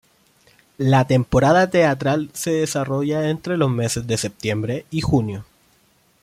La temporada teatral se desarrolla entre los meses de septiembre y junio.